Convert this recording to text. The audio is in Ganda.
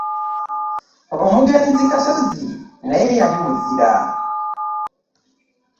Omugenzi Kasozi naye yali muzira.